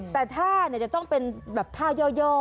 แต่ถ้าจะต้องเป็นถ้าย่อ